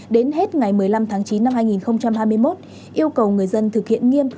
đến hết ngày một mươi năm tháng chín năm hai nghìn hai mươi một yêu cầu người dân thực hiện nghiêm